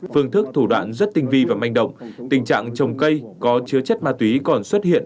phương thức thủ đoạn rất tinh vi và manh động tình trạng trồng cây có chứa chất ma túy còn xuất hiện